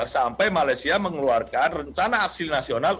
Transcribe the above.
sampai malaysia mengeluarkan rencana aksi nasional